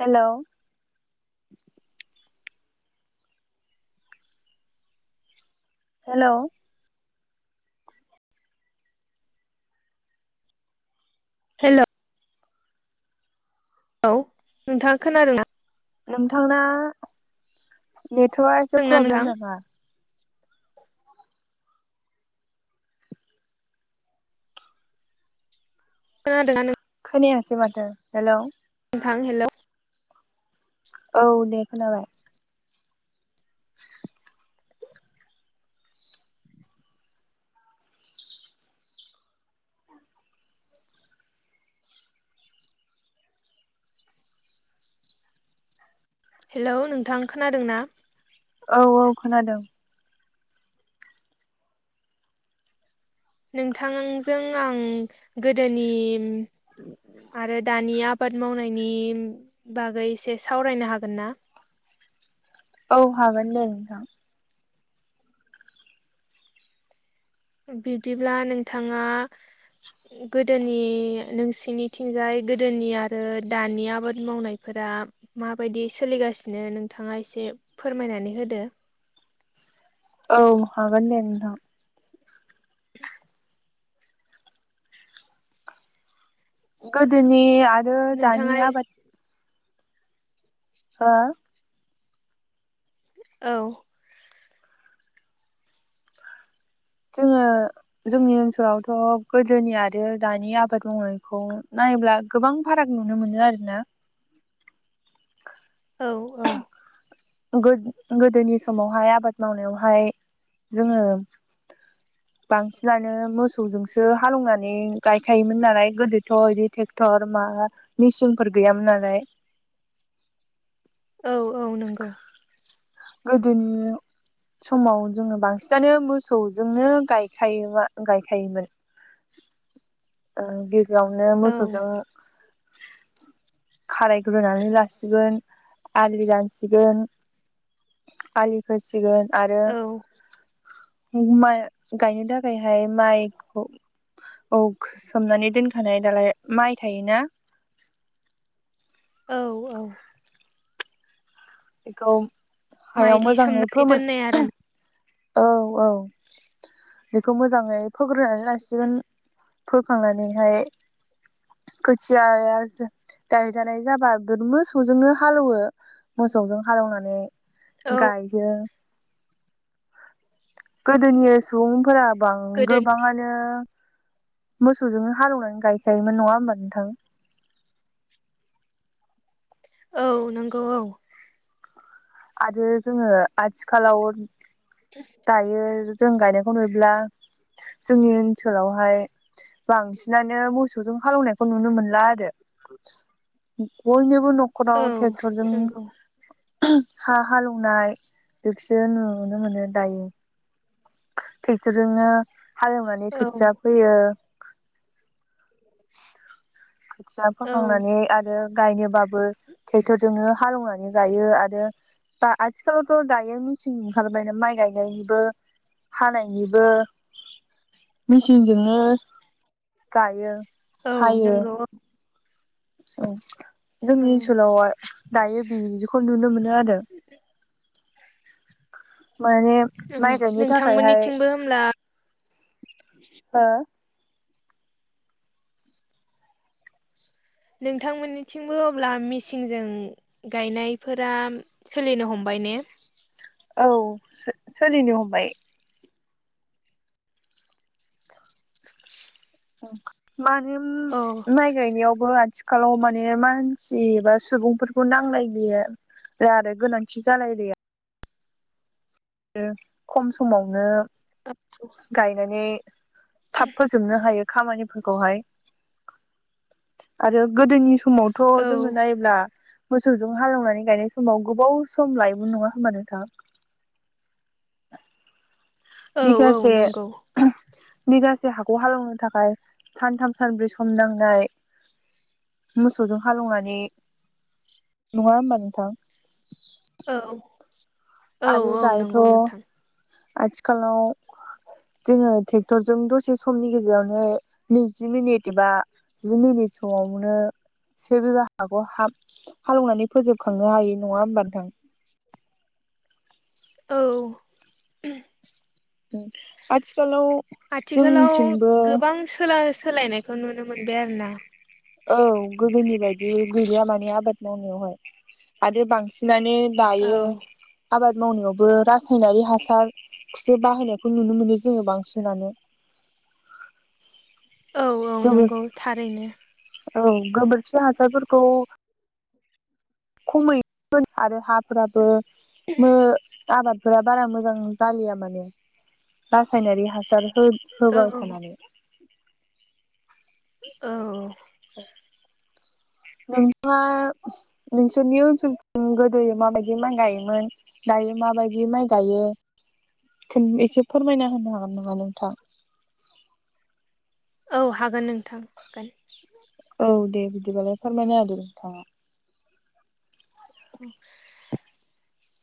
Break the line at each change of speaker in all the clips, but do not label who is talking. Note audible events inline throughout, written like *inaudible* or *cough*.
Hello hello
hello औ नोंथाङा खोनादोंना
नोंथांना नेटवर्कआ एसे
खोनादोंना
प्रब्लेम
नोंथां
नामा
खोनादोंना नों
खोनायासै माथो हेलौ
नोंथां हेलौ
औ दे खोनाबाय *inaudible*
हेलौ नोंथां खोनादों ना
औ औ खोनादों
नोंथांजों आं गोदोनि आरो दानिया आबाद मावनायनि बागै एसे सावरायनो हागोन ना
औ हागोन दे नोंथां
बिदिब्ला नोंथाङा गोदोनि नोंसिनिथिंजाय गोदोनि आरो दानि आबाद मावनायफोरा दा माबायदि सोलिगासिनो नोंथाङा एसे फोरमायनानै होदो
औ हागोन दे नोंथां गोदोनि आरो
नोंथाङा
दानिया आबाद हो
औ
जोङो जोंनि ओनसोलावथ' गोदोनि आरो दानि आबाद मावनायखौ नायब्ला गोबां फाराग नुनो मोनो आरोना
औ औ
गोदोनि समावहाय आबाद मावनायावहाय जोङो बांसिनानो मोसौजोंसो हालौवनानै गायखायोमोन नालाय गोदोथ' बिदि ट्रेक्टर मा मिसिंफोर गैयामोन नालाय
औ औ नंगौ
गोदोनि समाव जोङो बांसिनानो मोसौजोंनो गायखायो गायखायोमोन गिबियावनो
औ
मोसौजों खाराय ग्रोनानै लासिगोन आलि दानसिगोन आलिखोसिगोन आरो
औ
माय गायनो थाखायहाय माइखौ औ सोमनानै दोनखानाय दालाय माइ थायोना
औ औ
बेखौ हायाव
माइलि
मोजाङै
सोमनानै
फोमोन
दोननाय आरो
औ औ बेखौ मोजाङै फोग्रोनानै लासिगोन फोखांनानैहाय खोथिया गाहैजानाय जाबा मोसौजोंनो हालौवो मोसौजों हालौवनानै
औ
गायो गोदोनि सुबुंफोरा बां
गोदोनि
गोबाङानो मोसौजोंनो हालौवनानै गायखायोमोन नङा होमबा नोंथां
औ नंगौ औ
आरो जोङो आथिखालाव दायो जों गायनायखौ नुयोब्ला जोंनि ओनसोलावहाय बांसिनानो मोसौजों हालौनायखौ नुनो मोनला आरो बयनो गुबुन नखराव
औ
ट्रेक्टरजों
नंगौ
हा हालौवनाय बेखौसो नुनो मोनो दायो ट्रेक्टरजोंनो हालेवनानै
औ
खोथिया फैयो खोथिया
औ
फोखांनानै आरो गायनोबाबो ट्रेक्टरजोंनो हालौवनानै गायो आरो दा आथिखालावथ दायो मेचिन ओंखारबायनो माइ गायनायनिबो हानायनिबो मेचिनजोंनो गायो
औ
हायो
नंगौ औ
औ
औ
जोंनि ओनसोलाव दायो बेदिखौ नुनो मोनो आरो माने
औ
माइ गायनो थाखायहाय
नोंथांमोननिथिंबो होमब्ला
हो
नोंथांमोननिथिंबो अब्ला मेचिनजों गायनायफोरा सोलिनो हमबाय ने *unintelligible*
औ सोलिनो हमबाय माने
औ
माइ गायनायावबो आथि खालाव माने मानसि बा सुबुंफोरखौ नांलाय बियो आरो गोनांथि जालायलिया खम समावनो गायनानै थाब फोजोबनो हायो खामानिफोरखौहाय आरो गोदोनि सम
औ
समावथ जोङो नायोब्ला मोसौजों हालेवनानै गायनाय समाव गोबाव सम लायबो नङा होमबानो थां
औ औ
बिखासे
नंगौ
बिगासे हाखौ हालौनो थाखाय सानथाम सानब्रै सम नांनाय मोसौजों हालौवनानै नङा होनबा नोंथां
औ औ
आरो
औ
दायोथ
नंगौ नोंथां
आथिखालाव जोङो ट्रेक्टरजों दसे समनि गेजेरावनो नैजि मिनिट एबा जि मिनिट बे समावनो से बिघा हाखौ हा हालौवनानै फोजोबखांनो हायो नङा होमब नोंथां
*inaudible* औ
आथिखालाव
आथिखालाव
जोंनिथिंबो
गोबां सोलायनायखौ नुनो मोनबाय आरो ना
औ गोदोनि बायदि गैलिया माने आबाद मावनायावहाय आरो बांसिना- माने
औ
दायो आबाद मावनायावबो रासायनारि हासारखौसो बाहायनायखौ नुनो मोनो जोङो बांसिनानो
औ औ नंगौ
गोबोर
थारैनो
औ गोबोरखि हासारफोरखौ खमैमोन आरो हाफोराबो आबाद *unintelligible* फोर बारा मोजां जालिया माने रासायनारि हासार हो-
औ
होबाय थानानै
औ *inaudible*
नोंथाङा नोंसोरनि ओनसोल गोदो माबायदि माइ गायोमोन दायो माबायदि माइ गायो खोन एसे फोरमायना होनो हागोन नामा नोंथां
औ हागोन नोंथां हागोन
औ दे बिदिबालाय फोरमायनो होद नोंथाङा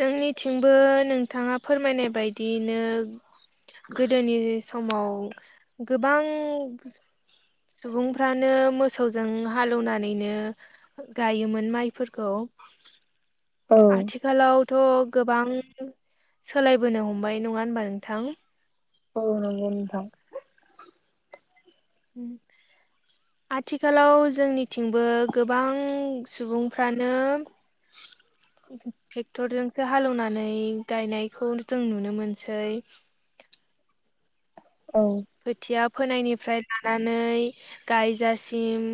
जोंनिथिंबो नोंथाङा फोरमायनाय बायदिनो गोदोनि समाव गोबां सुबुंफ्रानो मोसौजों हालेवनानैनो गायोमोन माइफोरखौ
औ
आथिखालाव थ' गोबां सोलायबोनो हमबाय नङा होनबा नोंथां?
औ नंगौ नोंथां।
उम आथिखालाव जोंनिथिंबो गोबां सुबुंफ्रानो ट्रेक्टरजोंसो हालेवनानै गायनायखौ जों नुनो मोनसै। *inaudible*
औ
खोथिया फोनायनिफ्राय लानानै गायजासिम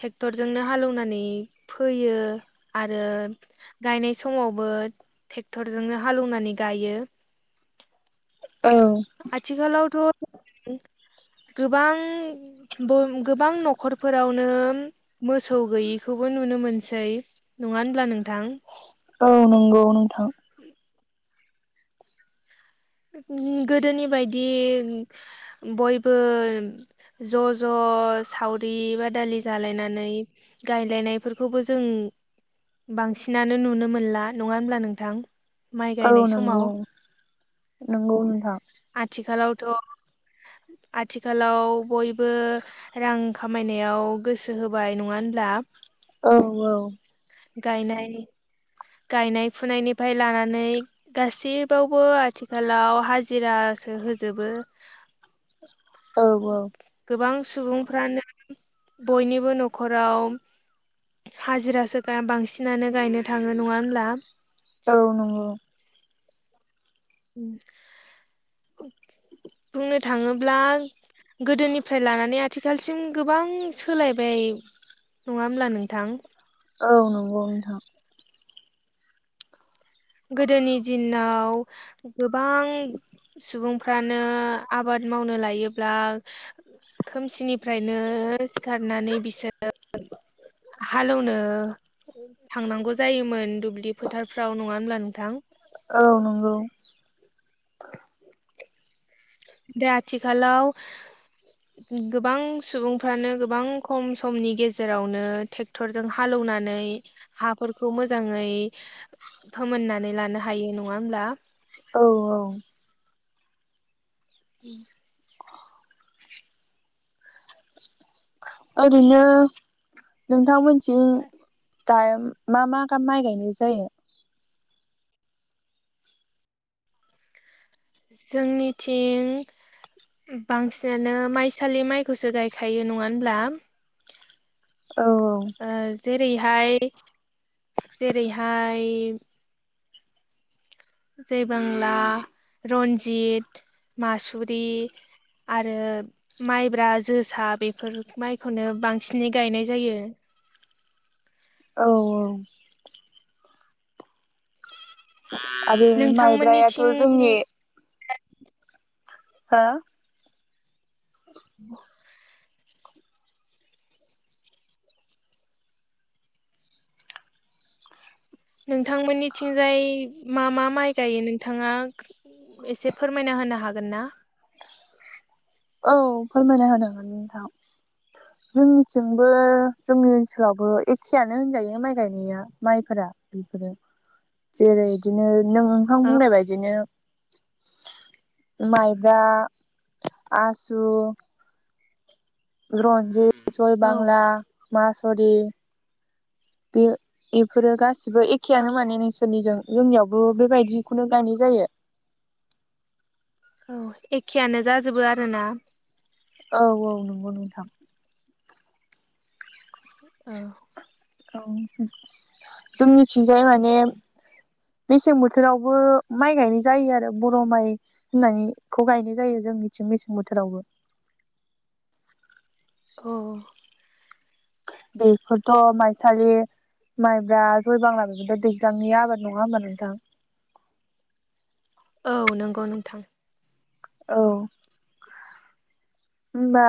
ट्रेक्टरजोंनो हालौवनानै फोयो आरो गायनाय समावबो ट्रेक्टरजोंनो हालेवनानै गायो।
औ
आथिखालावथ' गोबां बो- गोबां न'खरफोरावनो मोसौ गैयिखौबो नुनो मोनसै नङा होनब्ला नोंथां?
औ नंगौ नोंथां
*unintelligible* गोदोनि बायदि बयबो ज' ज' ज सावरि बादालि जालायनानै गायलायनायफोरखौबो जों बांसिनानो नुनो मोनला नङा होमब्ला नोंथां माइ गायनाय समाव
नोंगौ नोंथां
आथिखालावथ' आथिखालाव बयबो रां खामायनायाव गोसो होबाय नङा होनब्ला दा
औ औ
गायनाय गायनाय फुनायनिफ्राय लानानै गासैबावबो आथिखालाव हाज जिरासो होजोबो
औ औ
गोबां सुबुंफ्रानो बयनिबो न'खराव हाजिरासो गा बांसिनानो गायनो थाङो नङा होनब्ला
औ नंगौ
बुंनो थाङोब्ला गोदोनिफ्राय लानानै आथिखालसिम गोबां सोलायबाय। नङा होमब्ला नोंथां?
औ नंगौ नोंथां।
गोदोनि दिनाव गोबां सुबुंफ्रानो आबाद मावनो लायोब्ला खोमसिनिफ्रायनो सिखारनानै बिसोर हालेवनो थांनांगौ जायोमोन दुब्लि फोथारफ्राव होमब्ला नोंथां
औ नंगौ।
दा आथिखालाव गोबां सुबुंफ्रानो गोबां खम समनि गेजेरावनो ट्रेक्टरजों हालौ नानै हाफोरखौ मोजाङै फोमोननानै लानो हायो नङा होमब्ला?
औ औ।
उम।
ओरैनो नोंथांमोननिथिं दा मा मा गाम माइ गायनाय जायो?
जोंनिथिं बांसिनानो माइसालि माइखौसो गायखायो नङा होनब्ला?
औऔ।
ओ जेरैहाय जेरैहाय जैबांला रन्जित मासुरि आरो माइब्रा जोसा बेफोर माइखौनो बांसिनै गायनाय जायो।
औ औ। आरो माइब्रायाथ
नोंथांमोननिथिं
जोंनि हो
*inaudible* नोंथांमोननिथिंजाय मा मा माइ गायो नोंथाङा एसे फोरमायना होनो हागोन ना?
औ फोरमायना होजागोन नोंथां। जोंनिथिंबो जोंनि ओनसोलावबो एखेयानो होनजायो माइ गायनाया माइफोरा। जेरै बिदिनो नों नोंथां
औ
बुंनाय बायदिनो माइब्रा आसु रनजित
औ
जयबांला मासरि बि एफोरो गासिबो एखेयानो माने नोंसोरनिजों जोंनियावबो बेबायदिखौनो गायनाय जायो।
*inaudible* औ एखेयानो जाजोबो आरोना।
औ औ नंगौ नोंथां।
औ।
औ जोंनिथिंजाय माने मेसें बोथोरावबो माइ गायनाय जायो आरो बर' माइ होननानैखौ गायनाय जायो जोंनिथिं मेसें बोथोरावबो।
*inaudible* औ।
बेखौथ' माइसालि माइब्रा जय बांला बेफोरथ' दैज्लांनि आबाद नङा होमबा नोंथां?
औ नंगौ नोंथां।
औ होमबा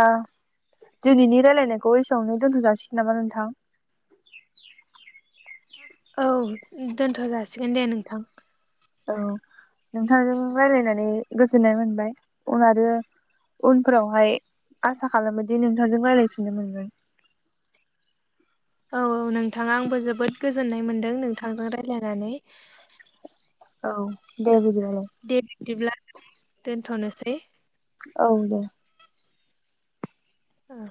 दिनैनि रायलायनायखौ एसेबांनो दोनथ' जाासिगोन नामा नोंथां?
*inaudible* उम दोनथ' जासिगोन दे नोंथां।
औ नोंथांजों रायलायनानै गोजोननाय मोनबाय उन आरो उनफोरावहाय आसा खालामोदि नोंथांजों राय्लायफिननो मोनगोन।
*inaudible* औ औ नोंथाङा आंबो जोबोद गोजोननाय मोनदों नोंथांजों रायलायनानै
औ दे बिदे
दे बिदिब्ला दोनथ'नोसै
औ दे
औ